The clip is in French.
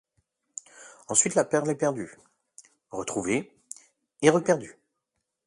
Ensuite la perle est perdue, retrouvée et reperdue.